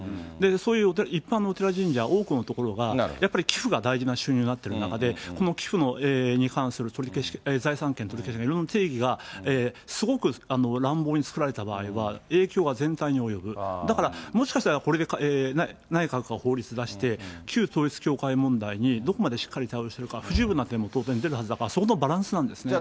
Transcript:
そういう一般のお寺、神社、多くのところがやっぱり寄付が大事な収入になってる中で、この寄付に関する財産権取り消しなどいろいろな定義がすごく乱暴に作られた場合は、影響が全体に及ぶ、だから、もしかしたらこれで内閣が法律を出して、旧統一教会問題にどこまでしっかり対応するか、不十分な点も当然出るはずだから、そこのバランスなんですね。